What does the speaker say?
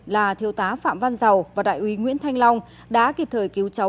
là thiêu tá phạm văn dầu và đại úy nguyễn thanh long đã kịp thời cứu cháu